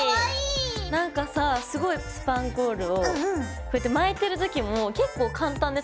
何かさすごいスパンコールをこうやって巻いてる時も結構簡単で楽しかったんだよね。